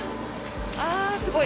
ああ、すごい。